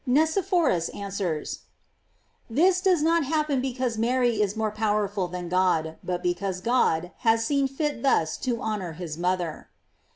Nicephorus answers: This does not happen because Mary is more powerful than God, but because God has seen fit thus to honor his mother.